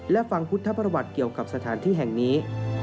และฟังพุทธประวัติเกี่ยวกับสถานที่แห่งนี้